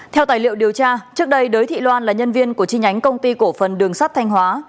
theo tài liệu điều tra trước đây đới thị loan là nhân viên của chi nhánh công ty cổ phần đường sắt thanh hóa